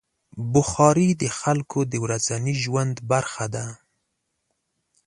بخاري د خلکو د ورځني ژوند برخه ده.